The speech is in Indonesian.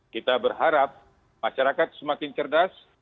kita berharap masyarakat semakin cerdas